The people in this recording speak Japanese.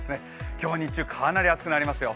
今日は日中かなり暑くなりますよ。